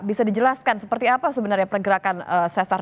bisa dijelaskan seperti apa sebenarnya pergerakan sesar